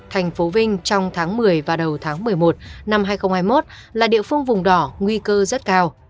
thành phố vinh trong tháng một mươi và đầu tháng một mươi một năm hai nghìn hai mươi một là địa phương vùng đỏ nguy cơ rất cao